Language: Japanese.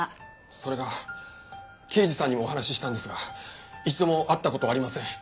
それが刑事さんにもお話ししたんですが一度も会った事はありません。